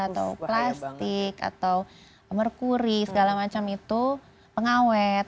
atau plastik atau merkuri segala macam itu pengawet